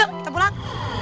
yuk kita pulang